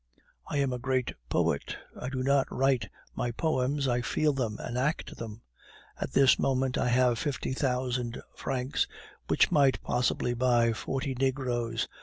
I am a great poet; I do not write my poems, I feel them, and act them. At this moment I have fifty thousand francs, which might possibly buy forty negroes.